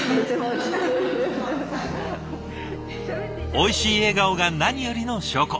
おいしい笑顔が何よりの証拠。